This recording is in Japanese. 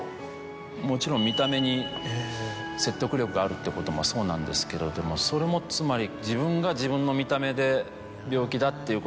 もちろん見た目に説得力があるってこともそうなんですけどそれもつまり。